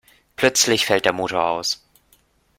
Plötzlich fällt der Motor aus.